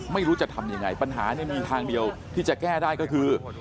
ไม่รู้จะทำยังไงปัญหาเนี่ยมีทางเดียวที่จะแก้ได้ก็คือ